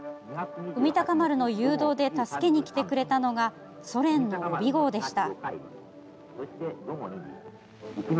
「海鷹丸」の誘導で助けにきてくれたのがソ連の「オビ号」でした。